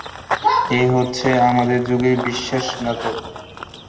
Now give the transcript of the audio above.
এ হচ্ছে আমাদের যুগের বিশ্বাসঘাতক!